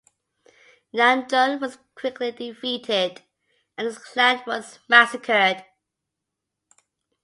Yang Jun was quickly defeated, and his clan was massacred.